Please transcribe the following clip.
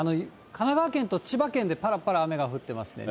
神奈川県と千葉県でぱらぱら雨が降ってますね。